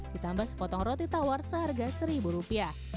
ditambah sepotong roti tawar seharga rp satu